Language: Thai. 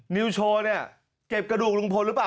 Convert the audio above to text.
นิวโชว์เนี่ยเก็บกระดูกลุงพลหรือเปล่า